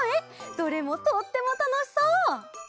どれもとってもたのしそう！